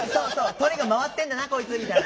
とにかく回ってんだなこいつみたいな。